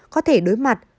có thể đối mặt